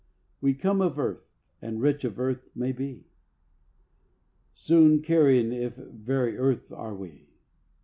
We come of earth, and rich of earth may be; Soon carrion if very earth are we!